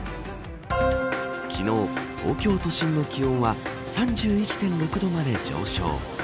昨日、東京都心の気温は３１．６度まで上昇。